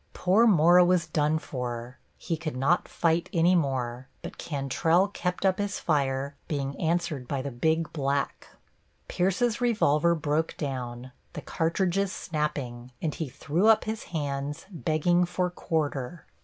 Poor Mora was done for; he could not fight any more, but Cantrell kept up his fire, being answered by the big black. Pierce's revolver broke down, the cartridges snapping, and he threw up his hands, begging for quarter.